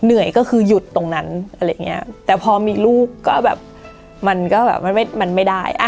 เหนื่อยก็คือหยุดตรงนั้นอะไรอย่างเงี้ยแต่พอมีลูกก็แบบมันก็แบบมันไม่ได้